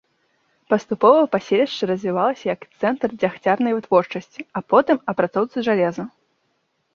Паступова паселішча развівалася як цэнтр дзягцярнай вытворчасці, а потым апрацоўцы жалеза.